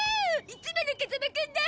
いつもの風間くんだ！